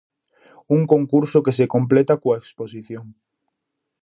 Un concurso que se completa coa exposición.